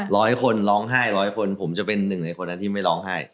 ร้อยคนร้องไห้ร้อยคนผมจะเป็นหนึ่งในคนนั้นที่ไม่ร้องไห้